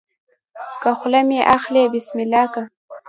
که خوله مې اخلې بسم الله که